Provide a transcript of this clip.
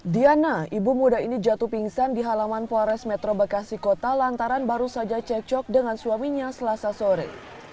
diana ibu muda ini jatuh pingsan di halaman polres metro bekasi kota lantaran baru saja cekcok dengan suaminya selasa sore